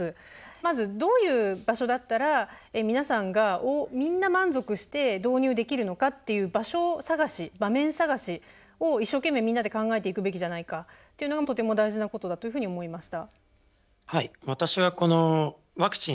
まず、どういう場所だったら皆さんが、みんな満足して導入できるのかっていう場所探し、場面探しを一生懸命みんなで考えていくべきじゃないかというのがとても大事なことだというふうに思いました。